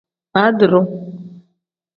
Baadiru.